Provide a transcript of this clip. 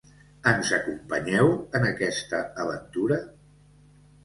Ens acompanyeu en aquesta aventura?